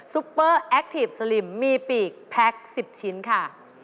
ปเปอร์แอคทีฟสลิมมีปีกแพ็ค๑๐ชิ้นค่ะ